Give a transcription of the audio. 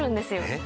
えっ？